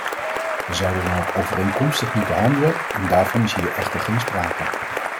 We zouden dan ook overeenkomstig moeten handelen, en daarvan is hier echter geen sprake.